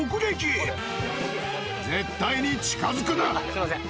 すみません。